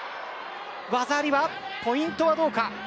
技ありは、ポイントはどうか。